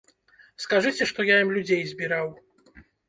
Скажыце, што я ім людзей збіраў.